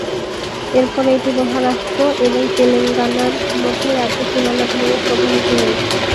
এরপরে এটি মহারাষ্ট্র এবং তেলেঙ্গানার মধ্যে রাজ্য সীমানা ধরে প্রবাহিত হয়েছে।